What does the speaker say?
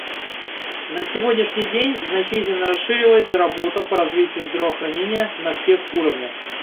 На сегодняшний день значительно расширилась работа по развитию здравоохранения на всех уровнях.